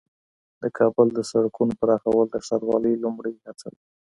د کابل د سړکونو پراخول د ښاروالۍ لومړنۍ هڅه ده.